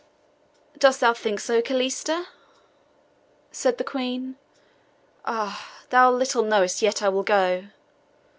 "Dost thou think so, Calista?" said the Queen. "Ah, thou little knowest yet I will go.